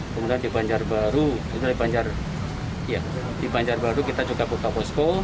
kemudian di banjar baru kita juga buka posko